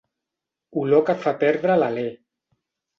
Olor que et fa perdre l'alè.